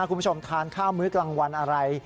คุณผู้ชมทานข้าวมื้อกลางวันอะไร